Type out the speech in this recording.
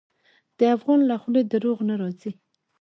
د افغان له خولې دروغ نه راځي.